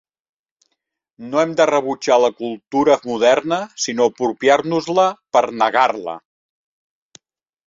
No hem de rebutjar la cultura moderna sinó apropiar-nos-la per negar-la.